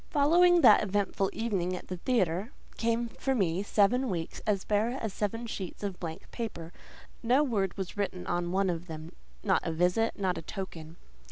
Following that eventful evening at the theatre, came for me seven weeks as bare as seven sheets of blank paper: no word was written on one of them; not a visit, not a token.